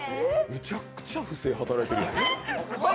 めちゃくちゃ不正働いてるやん。